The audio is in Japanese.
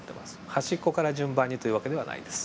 端っこから順番にという訳ではないです。